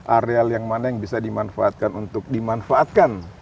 areal yang mana yang bisa dimanfaatkan untuk dimanfaatkan